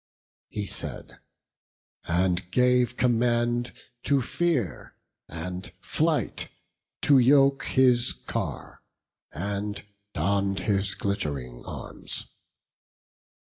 He said, and gave command to Fear and Flight To yoke his car; and donn'd his glitt'ring arms.